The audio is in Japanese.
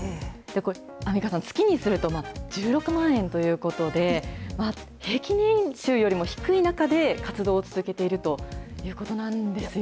これ、アンミカさん、月にすると１６万円ということで、平均年収よりも低い中で活動続けているということなんですよ。